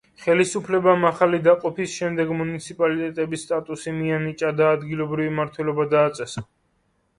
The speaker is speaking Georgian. ხელისუფლებამ ახალი დაყოფის შემდეგ მუნიციპალიტეტების სტატუსი მიანიჭა და ადგილობრივი მმართველობა დააწესა.